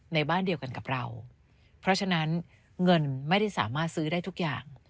ในบ้านเดียวกันกับเราเพราะฉะนั้นเงินไม่ได้สามารถซื้อได้ทุกอย่าง